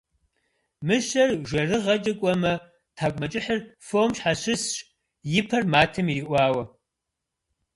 Мыщэр жэрыгъэкӏэ кӏуэмэ - тхьэкӏумэкӏыхьыр фом щхьэщысщ, и пэр матэм ириӏуауэ.